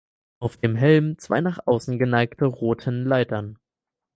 Auf dem Helm zwei nach außen geneigte roten Leitern.